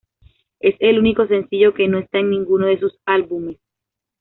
Es el único sencillo que no está en ninguno de sus álbumes.